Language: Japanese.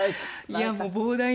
いやもう膨大なね